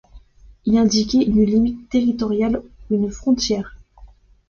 Il indiquait une limite territoriale ou une frontière.